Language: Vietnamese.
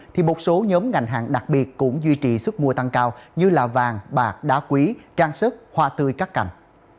thì một số nhóm ngành hàng đặc biệt cũng duy trì sức mua tăng cao như là vàng bạc đá quý trang sức hoa tươi cắt cành